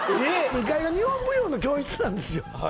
２階が日本舞踊の教室なんですよ